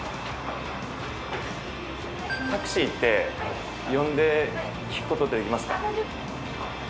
タクシーって呼んで聞くことってできますか？